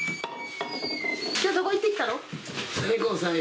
今日、どこ行ってきたの？